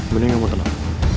bener yang mau tenang